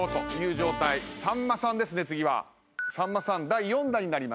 さんまさん第４打になります。